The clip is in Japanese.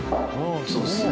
そうですね。